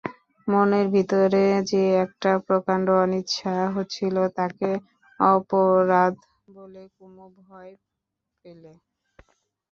মনের ভিতরে যে একটা প্রকাণ্ড অনিচ্ছা হচ্ছিল তাকে অপরাধ বলে কুমু ভয় পেলে।